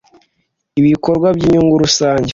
Ibikorwa by inyungu rusange